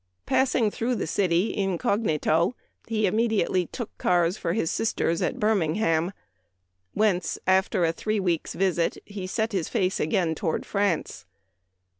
Passing through the city incognito, he immediately took cars for his sister's at Birmingham, whence, after a three weeks' visit, he set his face again toward France.